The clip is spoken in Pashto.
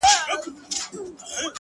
ژوند ټوله پند دی ـ